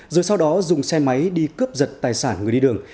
rồi sau đó dùng xe máy đi cướp giật tài sản người đi đường